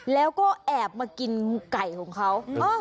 แล้วก็แอบมากินไก่ของเขา